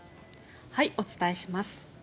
お伝えします。